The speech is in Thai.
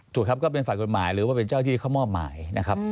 ถูกครับก็เป็นฝ่ายกฎหมายหรือว่าเป็นเจ้าที่เขามอบหมายนะครับ